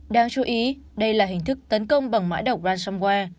đáng chú ý đây là hình thức tấn công bằng mã độc ransomware